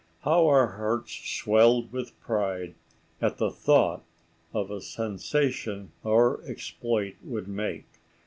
How our hearts swelled with pride at the thought of the sensation our exploit would make!